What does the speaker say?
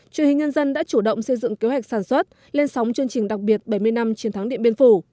truyền hình nhân dân đã chủ động xây dựng kế hoạch sản xuất lên sóng chương trình đặc biệt bảy mươi năm chiến thắng điện biên phủ